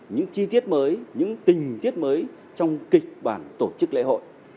những chi tiết mới những tình tiết mới trong kịch bản tổ chức lễ hội